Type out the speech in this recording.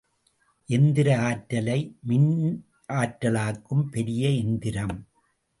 எந்திர ஆற்றலை மின்னாற்றலாக்கும் பெரிய எந்திரம்.